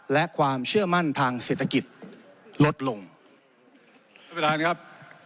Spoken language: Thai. และความเชื่อมั่นทางเศรษฐกิจลดลงท่านประธานครับ